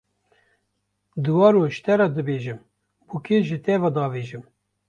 Diwaro ji te re dibêjim, bûkê ji te ve davêjim